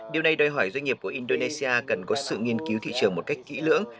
điều này đòi hỏi doanh nghiệp của indonesia cần có sự nghiên cứu thị trường một cách kỹ lưỡng